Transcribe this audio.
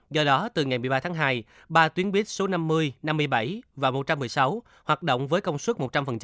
do đó từ ngày một mươi ba tháng hai ba tuyến buýt số năm mươi năm mươi bảy và một trăm một mươi sáu hoạt động với công suất một trăm linh